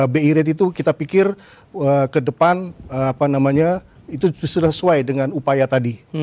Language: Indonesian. bir itu kita pikir ke depan itu sesuai dengan upaya tadi